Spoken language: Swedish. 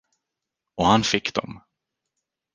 Och han fick dem.